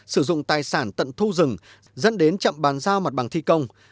sử dụng tài sản tận thu rừng dẫn đến chậm bàn giao mặt bằng thi công